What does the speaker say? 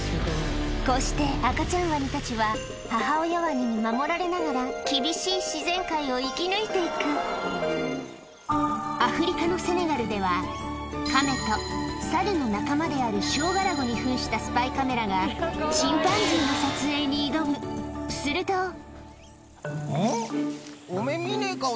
こうして赤ちゃんワニたちは母親ワニに守られながら厳しい自然界を生き抜いていくアフリカのセネガルではカメとサルの仲間であるショウガラゴに扮したスパイカメラがするとん？